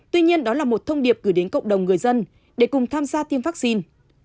tuy nhiên đó là một thông điệp gửi đến cộng đồng người dân để cùng tham gia tiêm vaccine